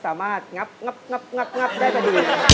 สามารถงับได้พอดี